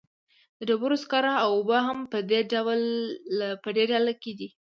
د ډبرو سکاره او اوبه هم په دې ډله کې دي.